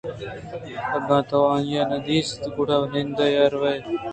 اگاں تو آئی ءَ نہ دیست گڑا نندے یا روے